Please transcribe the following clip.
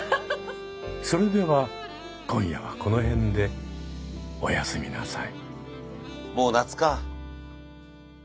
それでは今夜はこの辺でお休みなさい。